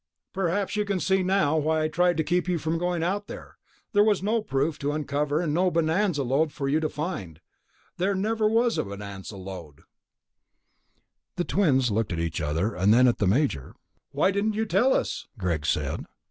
Perhaps you can see now why I tried to keep you from going out there. There was no proof to uncover and no bonanza lode for you to find. There never was a bonanza lode." The twins looked at each other, and then at the Major. "Why didn't you tell us?" Greg said.